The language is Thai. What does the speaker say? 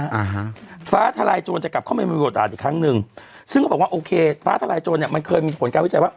อ่าฮะฟ้าทลายโจรจะกลับเข้ามามีบทบาทอีกครั้งหนึ่งซึ่งเขาบอกว่าโอเคฟ้าทลายโจรเนี้ยมันเคยมีผลการวิจัยว่า